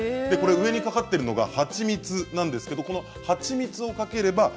上にかかっているのが蜂蜜なんですけどこの蜂蜜をかければ栄養満点。